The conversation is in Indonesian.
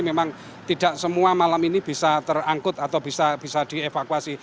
memang tidak semua malam ini bisa terangkut atau bisa dievakuasi